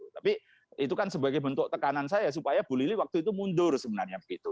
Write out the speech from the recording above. tapi itu kan sebagai bentuk tekanan saya supaya bu lili waktu itu mundur sebenarnya begitu